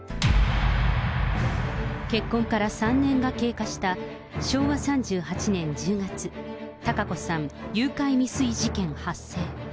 結婚から３年が経過した昭和３８年１０月、貴子さん誘拐未遂事件発生。